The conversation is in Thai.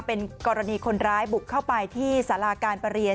เป็นกรณีคนร้ายบุกเข้าไปที่สาราการประเรียน